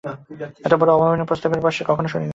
এতবড়ো অভাবনীয় প্রস্তাব ওর বয়সে কখনো শোনে নি।